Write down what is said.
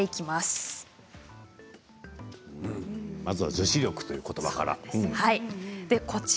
まずは女子力ということばから。